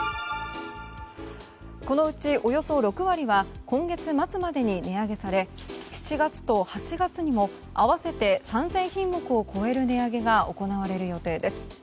このうちおよそ６割は今月末までに値上げされ７月と８月にも合わせて３０００品目を超える値上げが行われる予定です。